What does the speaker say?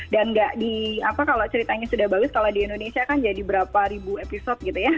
dan nggak di apa kalau ceritanya sudah bagus kalau di indonesia kan jadi berapa ribu episode gitu ya